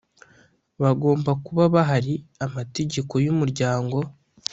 bagomba kuba bahari a mategeko y umuryango